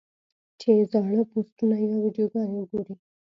چې زاړۀ پوسټونه يا ويډيوګانې اوګوري -